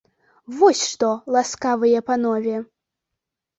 Вось што, ласкавыя панове!